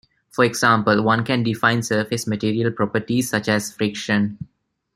For example, one can define surface material properties such as friction.